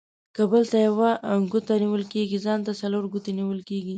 که بل ته يوه گوته نيول کېږي ، ځان ته څلور گوتي نيول کېږي.